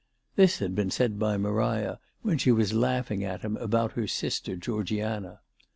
This had heen said by Maria when she was laughing at him about her sister Georgiana.